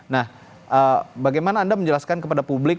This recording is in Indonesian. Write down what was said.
nah bagaimana anda menjelaskan kepada publik